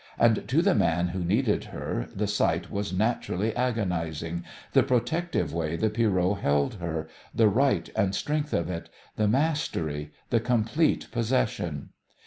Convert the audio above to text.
And to the man who needed her the sight was naturally agonizing the protective way the Pierrot held her, the right and strength of it, the mastery, the complete possession.